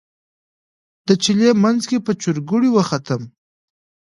د چلې منځ کې په چورګوړي وختم.